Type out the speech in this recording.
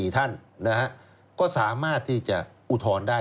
๔ท่านนะฮะก็สามารถที่จะอุทธรณ์ได้